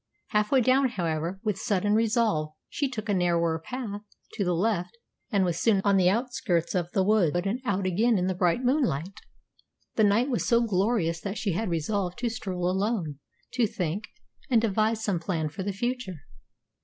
Half way down, however, with sudden resolve, she took a narrower path to the left, and was soon on the outskirts of the wood and out again in the bright moonlight. The night was so glorious that she had resolved to stroll alone, to think and devise some plan for the future.